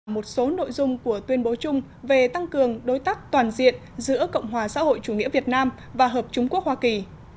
một số nội dung của tuyên bố chung về tăng cường đối tác toàn diện giữa cộng hòa xã hội chủ nghĩa việt nam và hợp chúng quốc hoa kỳ